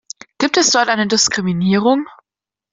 Gibt es dort eine Diskriminierung?